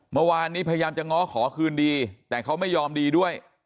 พยายามจะง้อขอคืนดีแต่เขาไม่ยอมดีด้วย